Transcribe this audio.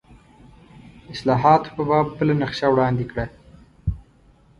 اصلاحاتو په باب بله نقشه وړاندې کړه.